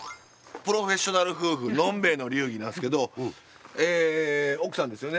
「プロフェッショナル夫婦のんべえの流儀」なんですけど奥さんですよね？